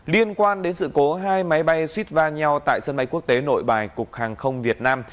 liên quan đến sự cố hai máy bay suýt va nhau tại sân bay quốc tế nội bài cục hàng không việt nam